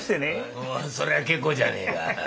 そりゃ結構じゃねえか。